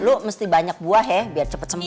lo mesti banyak buah ya biar cepet sembun